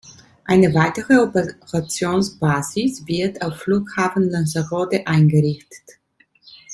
Eine weitere Operationsbasis wird auf Flughafen Lanzarote eingerichtet.